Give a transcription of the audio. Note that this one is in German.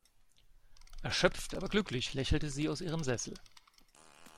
Erschöpft aber glücklich lächelte sie aus ihrem Sessel.